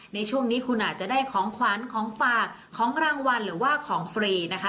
ในช่วงนี้คุณอาจจะได้ของขวัญของฝากของรางวัลหรือว่าของฟรีนะคะ